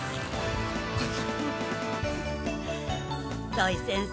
土井先生